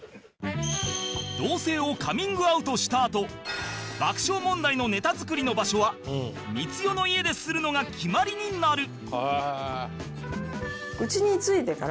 同棲をカミングアウトしたあと爆笑問題のネタ作りの場所は光代の家でするのが決まりになる